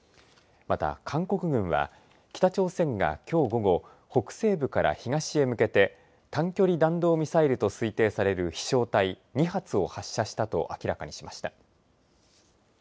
また韓国軍は、北朝鮮がきょう午後、北西部から東へ向けて、短距離弾道ミサイルと推定される飛しょう体２発を発射したと明らかにしました。